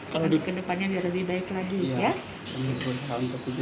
kalau di kedepannya lebih baik lagi ya